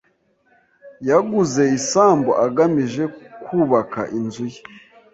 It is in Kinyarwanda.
[S] Yaguze isambu agamije kubaka inzu ye.